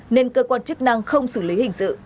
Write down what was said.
nên cơ quan chức năng không xử lý